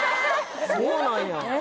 そうなんやえ！